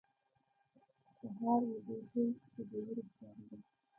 سهار وو، دوی ټول خوبوړي ښکارېدل.